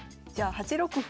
８六歩。